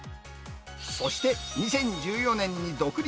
そして、２０１４年に独立。